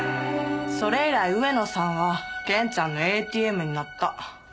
それ以来上野さんはケンちゃんのＡＴＭになった。